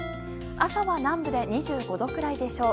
朝は南部で２５度くらいでしょう。